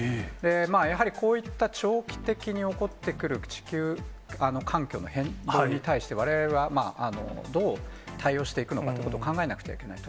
やはりこういった長期的に起こってくる地球環境の変動に対して、われわれはどう対応していくのかってことを考えなくてはいけない。